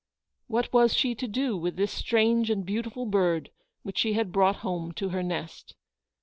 \That was she to do with this strange and beautiful bird which she had brought home to her nest